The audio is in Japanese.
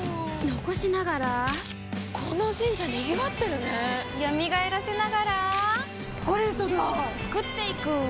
残しながらこの神社賑わってるね蘇らせながらコレドだ創っていく！